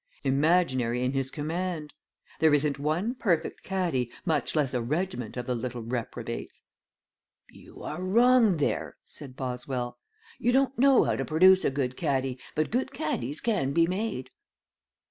"Imaginary in his command. There isn't one perfect caddy, much less a regiment of the little reprobates." "You are wrong there," said Boswell. "You don't know how to produce a good caddy but good caddies can be made."